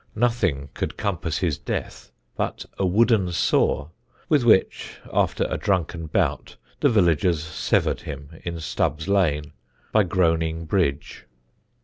Nothing could compass his death but a wooden saw, with which after a drunken bout the villagers severed him in Stubb's Lane, by Groaning Bridge.